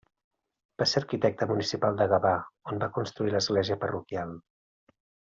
Va ser arquitecte municipal de Gavà, on va construir l'església parroquial.